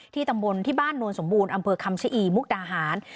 ตำบลที่บ้านนวลสมบูรณ์อำเภอคำชะอีมุกดาหาร